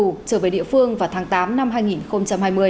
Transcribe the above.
bù trở về địa phương vào tháng tám năm hai nghìn hai mươi